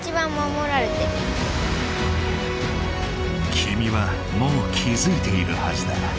きみはもう気づいているはずだ。